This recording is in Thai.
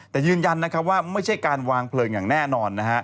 แต่ยืนยันว่าไม่ใช่การวางเพลิงอย่างแน่นอนนะฮะ